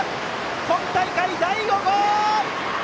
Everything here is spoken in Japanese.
今大会、第５号！